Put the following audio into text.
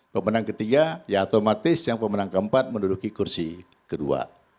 pemenang ketiga ya otomatis yang pemenang keempat menduduki kursi kedua